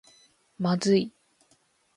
まずい